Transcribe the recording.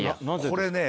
これね